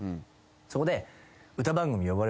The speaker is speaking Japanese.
そこで。